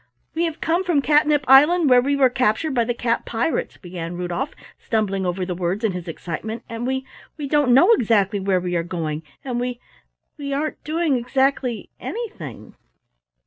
"We have come from Catnip Island where we were captured by the cat pirates," began Rudolf, stumbling over the words in his excitement, "and we we don't know exactly where we are going, and we we aren't doing exactly anything!"